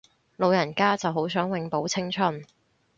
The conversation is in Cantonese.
老人家就好想永葆青春